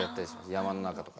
山の中とか。